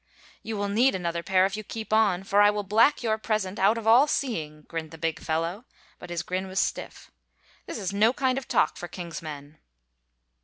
" You will need another pair if you keep on, for I will black your present o.ut of all seeing," grinned the big fellow, but his grin was stiff. " This is no kind of talk for king's men."